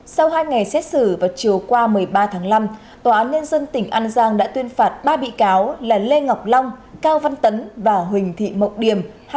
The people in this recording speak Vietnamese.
sau hai ngày xét xử vào chiều qua một mươi ba tháng năm tòa án nhân dân tỉnh an giang đã tuyên phạt ba bị cáo là lê ngọc long cao văn tấn và huỳnh thị mộng điểm